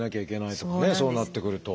そうなってくると。